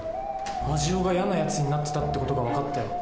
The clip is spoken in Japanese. アジオがやなやつになってたって事が分かったよ。